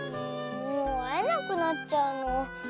もうあえなくなっちゃうの。